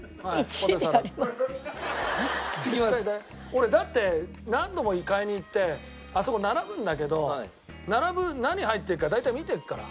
俺だって何度も買いに行ってあそこに並ぶんだけど何が入ってるか大体見てるから。